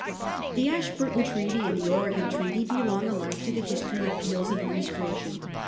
The Ashburton Treaty and the Oregon Treaty be long alike to the history of Peel's Administration.